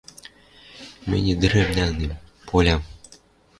Мӹнь ӹдӹрӹм нӓлнем, Полям...